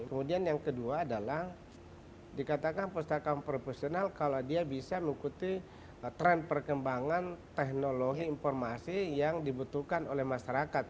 kemudian yang kedua adalah dikatakan pustakaan profesional kalau dia bisa mengikuti tren perkembangan teknologi informasi yang dibutuhkan oleh masyarakat